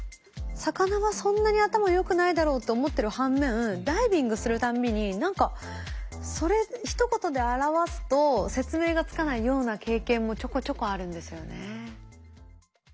魚はそんなに頭良くないだろうって思ってる反面ダイビングするたんびに何かそれひと言で表すと説明がつかないような経験もちょこちょこあるんですよね。